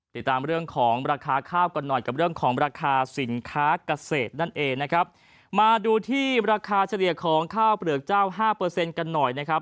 ติดตามเรื่องของราคาข้าวกันหน่อยกับเรื่องของราคาสินค้าเกษตรนั่นเองนะครับมาดูที่ราคาเฉลี่ยของข้าวเปลือกเจ้าห้าเปอร์เซ็นต์กันหน่อยนะครับ